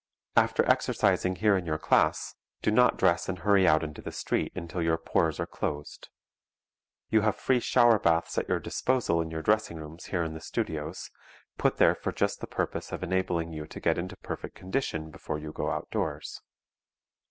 After exercising here in your class, do not dress and hurry out into the street until your pores are closed. You have free shower baths at your disposal in your dressing rooms here in the studios, put there for just the purpose of enabling you to get into perfect condition before you go outdoors.